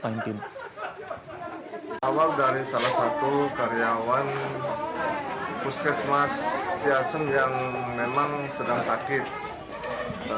awal dari salah satu karyawan puskesmas ciasem yang memang sedang sakit